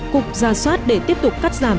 cục ra soát để tiếp tục cắt giảm